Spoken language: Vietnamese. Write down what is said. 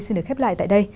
xin được khép lại tại đây